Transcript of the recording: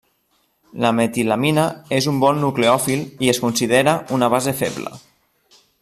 La metilamina és un bon nucleòfil i es considera una base feble.